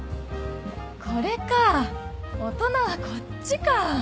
これか大人はこっちか！